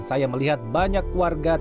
saya melihat banyak warga tidak berpengalaman